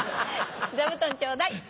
座布団ちょうだい。